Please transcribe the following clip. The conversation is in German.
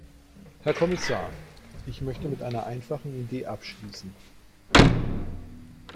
Herr Kommissar, ich möchte mit einer einfachen Idee abschließen.